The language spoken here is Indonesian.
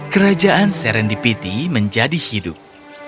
kerajaan serendipity menjadi hidup